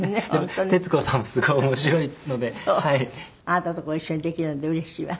あなたとご一緒にできるのでうれしいわ。